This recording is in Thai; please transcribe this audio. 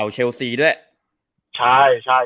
เชลซีด้วย